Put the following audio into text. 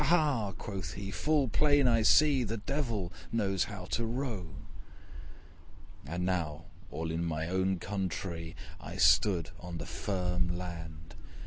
ha!' quoth he, 'full plain I see, The Devil knows how to row.' And now, all in my own countree, I stood on the firm land!